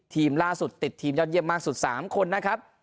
ทีมล่าสุดติดทีมยอดเยี่ยมมากสุด๓คนนะครับ